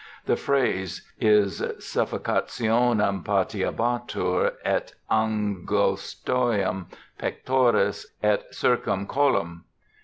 The phrase is * suffocationem patiebatur et an gostiam pectoris et circumcollum.'